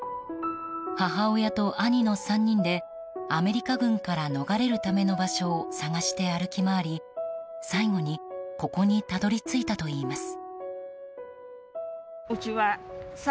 母親と兄の３人でアメリカ軍から逃れるための場所を探して歩き回り最後に、ここにたどり着いたといいます。